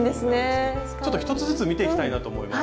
ちょっと１つずつ見ていきたいなと思います。